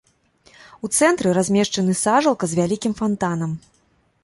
У цэнтры размешчаны сажалка з вялікім фантанам.